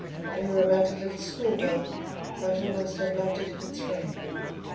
Any romantic little school girl might almost have loved it in its frame.